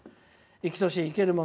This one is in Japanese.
生きとし生ける者